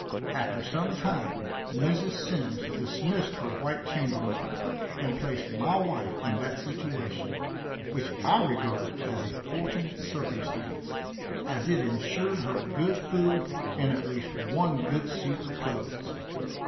After some time Mrs. Symmes dismissed her white chambermaid and placed my wife in that situation, which I regarded as a fortunate circumstance, as it insured her good food, and at least one good suit of clothes.